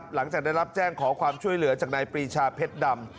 หลังจากได้รับแจ้งขอความช่วยเหลือจากนายปรีชาเพชรดำ